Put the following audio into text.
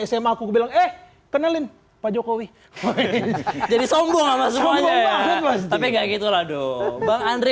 sma aku bilang eh kenalin pak jokowi jadi sombong sama semuanya ya tapi enggak gitu lah dong bang andre